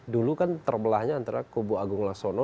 dulu kan terbelahnya antara kubu agung laksono